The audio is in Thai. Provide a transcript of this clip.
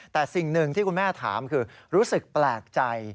แต่สิ่งหนึ่งที่คุณแม่ถามคือรู้สึกแปลกใจ